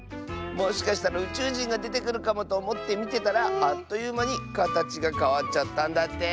もしかしたらうちゅうじんがでてくるかもとおもってみてたらあっというまにかたちがかわっちゃったんだって。